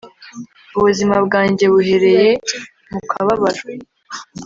ubuzima bwanjye buhereye mu kababaro